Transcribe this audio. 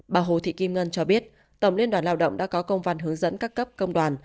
bà hồ thị kim ngân cho biết tổng liên đoàn lao động đã có công văn hướng dẫn các cấp công đoàn